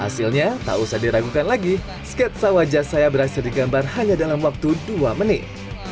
hasilnya tak usah diragukan lagi sketsa wajah saya berhasil digambar hanya dalam waktu dua menit